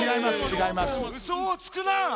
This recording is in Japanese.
うそをつくな！